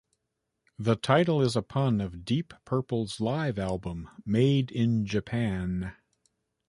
The title is a pun of Deep Purple's live album "Made in Japan".